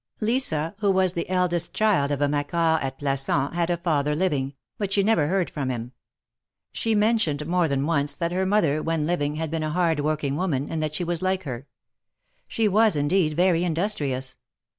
Lisa, who was the eldest child of a Macquart at Plas sans, had a father living, but she never heard from him. She mentioned more than once that her mother, Avhen living, had been a hard working woman, and that she was like her. She was, indeed, very industrious.